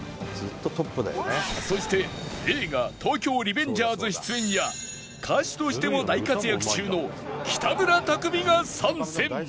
そして映画『東京リベンジャーズ』出演や歌手としても大活躍中の北村匠海が参戦